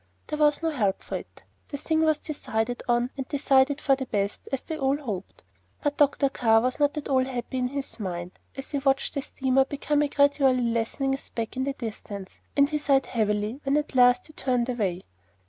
There was no help for it. The thing was decided on, decided for the best, as they all hoped; but Dr. Carr was not at all happy in his mind as he watched the steamer become a gradually lessening speck in the distance, and he sighed heavily when at last he turned away.